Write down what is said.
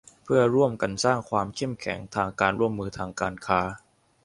เพื่อร่วมกันสร้างความเข้มแข็งทางการร่วมมือทางการค้า